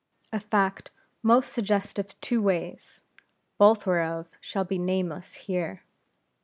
A fact most suggestive two ways; both whereof shall be nameless here.